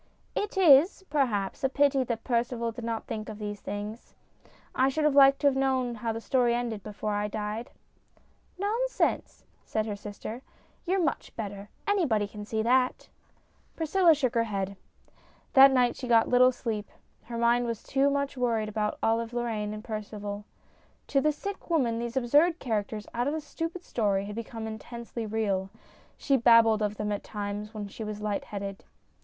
" It is, perhaps, a pity that Percival did not think of these things. I should have liked to have known how the story ended before I died." " Nonsense !" said her sister. " You're much better. Anybody can see that." Priscilla shook her head. That night she got little sleep ; her mind was much worried about Olive Lorraine and Percival. To the sick woman these absurd characters out of a stupid story had become intensely real. She babbled of them at times when she was light headed.